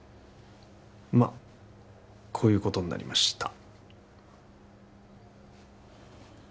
まっこういうことになりました